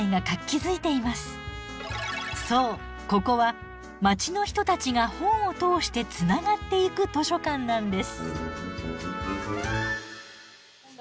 そうここは街の人たちが本を通してつながっていく図書館なんです。